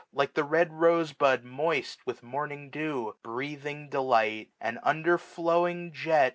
Like the red rose bud moist with morning dew. Breathing delight ; and, under flowing jet.